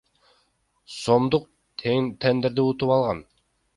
сомдук тендерди утуп алган.